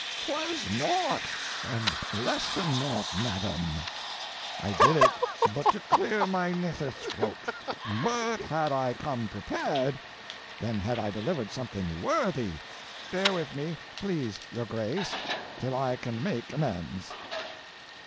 It was nothing less than nothing, madam I did it but to clear my nether throat; but had I come prepared, then had I delivered something worthy. Bear with me, please your grace, till I can make amends.